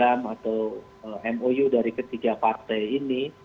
bagaimana kita menyiapkan piagam atau mou dari ketiga partai ini